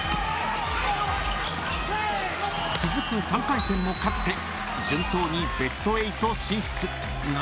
［続く３回戦も勝って順当にベスト８進出］